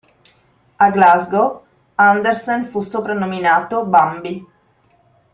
A Glasgow, Andersen fu soprannominato "Bambi".